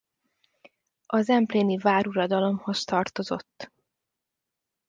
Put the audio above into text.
A zempléni váruradalomhoz tartozott.